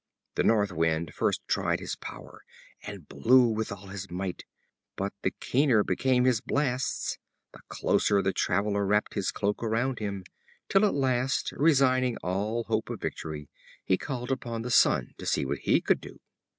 The North Wind first tried his power, and blew with all his might; but the keener became his blasts, the closer the Traveler wrapped his cloak around him, till at last, resigning all hope of victory, he called upon the Sun to see what he could do.